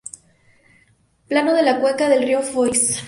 Plano de la cuenca del río Foix